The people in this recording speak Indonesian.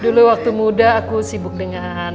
dulu waktu muda aku sibuk dengan